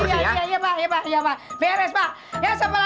udah satu mau aja lu